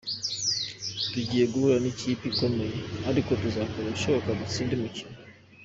Tugiye guhura n’ikipe ikomeye ariko tuzakora ibishoboka dutsinde umukino.